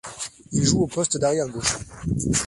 Il joue au poste d'arrière gauche.